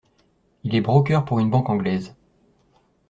Il est broker pour une banque anglaise.